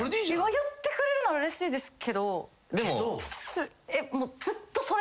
やってくれるのはうれしいですけど。